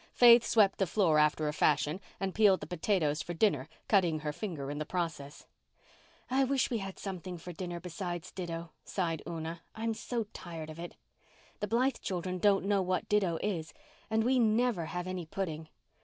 Faith swept the floor after a fashion and peeled the potatoes for dinner, cutting her finger in the process. "I wish we had something for dinner besides ditto," sighed Una. "I'm so tired of it. The Blythe children don't know what ditto is. And we never have any pudding.